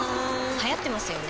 流行ってますよね